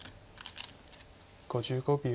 ５５秒。